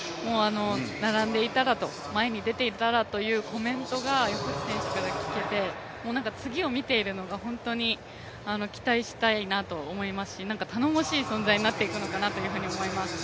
並んでいたらと、前に出ていたらというコメントが横地選手から聞けて、もう次を見ているのが本当に期待したいなと思いますしなんか頼もしい存在になっていくのかなと思います。